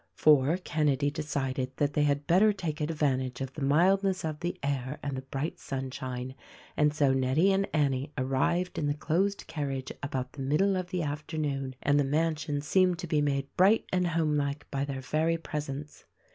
For, Kenedy decided that they had better take advantage of the mildness of the air and the bright sunshine; and so Nettie and Annie arrived in the closed carriage about the middle of the afternoon — and the mansion seemed to be made bright and home like by their very presence.